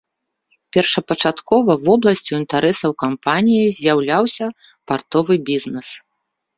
Першапачаткова вобласцю інтарэсаў кампаніі з'яўляўся партовы бізнес.